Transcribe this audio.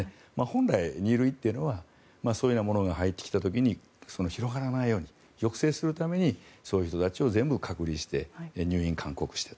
本来、２類というのはそういうようなものが入ってきた時に広がらないように抑制するためにそういう人たちを全部隔離して入院勧告して。